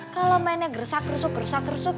kalo mainnya gersak gersuk gersak gersuk